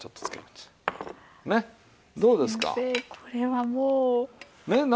先生これはもう。ね？